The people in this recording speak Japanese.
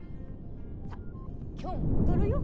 さぁ今日も踊るよ。